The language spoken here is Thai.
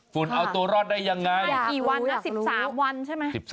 ฝุ่นเอาตัวรอดได้ยังไง